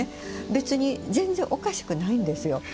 別に、全然おかしくないんですよ。